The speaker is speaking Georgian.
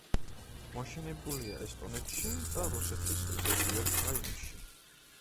მოშენებულია ესტონეთში და რუსეთის ზოგიერთ რაიონში.